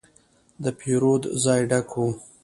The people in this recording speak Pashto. د پیرود ځای ډک و.